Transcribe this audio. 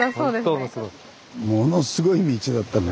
ものすごい道だったりなんか。